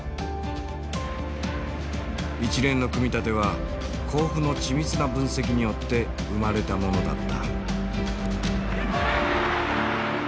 一連の組み立ては甲府の緻密な分析によって生まれたものだった。